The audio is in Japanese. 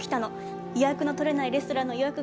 予約の取れないレストランの予約が取れてね。